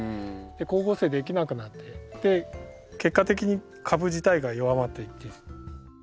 光合成できなくなって結果的に株自体が弱まっていって。